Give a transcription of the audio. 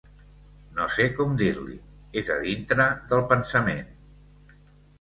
No sé com dir-li. És a dintre del pensament.